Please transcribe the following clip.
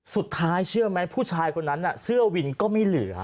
เชื่อไหมผู้ชายคนนั้นเสื้อวินก็ไม่เหลือ